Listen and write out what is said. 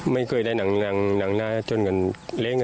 ไม่เคยได้หนังหน้าไปเล่น